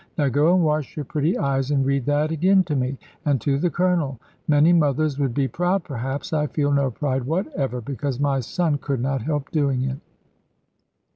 Now go and wash your pretty eyes, and read that again to me, and to the Colonel. Many mothers would be proud perhaps. I feel no pride whatever, because my son could not help doing it."